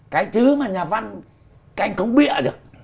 cái thứ mà nhà văn cái anh không bịa được